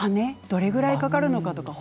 どれくらいかかるのかとか。